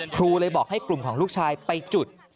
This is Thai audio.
ครูเลยบอกให้กลุ่มของลูกชายไปจุด